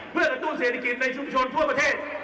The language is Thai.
เพื่อกระตุ้นเศรษฐกิจในชุมชนทั่วประเทศ